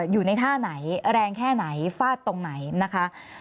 อยู่ในท่าไหนแรงแค่ไหนฟาดตรงไหนนะคะ